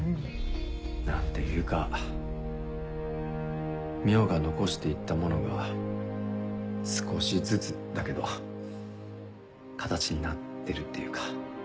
何ていうか海音が残して行ったものが少しずつだけど形になってるっていうか。